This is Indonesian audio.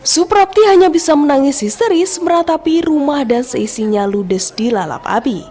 suprapti hanya bisa menangis histeris meratapi rumah dan seisinya ludes di lalap api